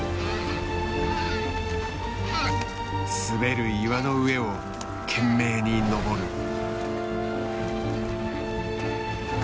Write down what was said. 滑る岩の上を懸命に登る。